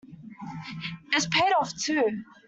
It's paid off too.